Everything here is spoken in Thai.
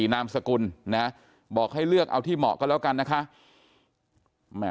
นามสกุลนะบอกให้เลือกเอาที่เหมาะก็แล้วกันนะคะ